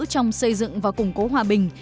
trong xây dựng và củng cố hòa bình